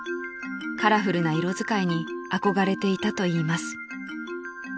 ［カラフルな色使いに憧れていたといいます］